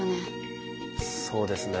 そうですね。